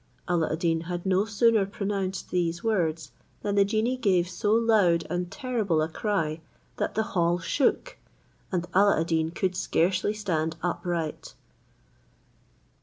Alla ad Deen had no sooner pronounced these words, than the genie gave so loud and terrible a cry, that the hall shook, and Alla ad Deen could scarcely stand upright.